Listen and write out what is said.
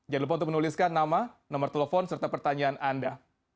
jangan lupa untuk menuliskan nama nomor telepon serta pertanyaan anda